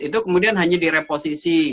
itu kemudian hanya direposisi